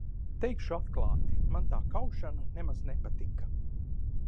Teikšu atklāti, man tā kaušana nemaz nepatika.